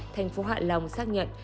thành phố hạ long xác nhận